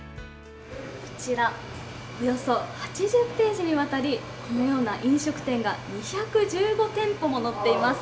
こちらおよそ８０ページにわたりこのような飲食店が２１５店舗も載っています。